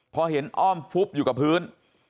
พอเห็นอ้อมฟุบอยู่กับพื้น